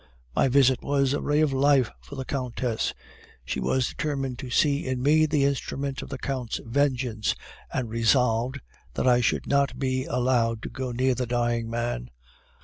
"My visit was a ray of light for the Countess. She was determined to see in me the instrument of the Count's vengeance, and resolved that I should not be allowed to go near the dying man.